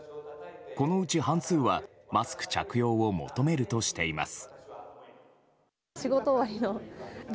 このうち半数はマスク着用を求めるとしています。